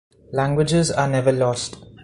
Languages are never lost.